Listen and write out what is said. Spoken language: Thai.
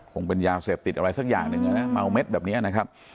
คงเป็นยาเสพติดอะไรสักอย่างหนึ่งนะเมาเม็ดแบบนี้นะครับ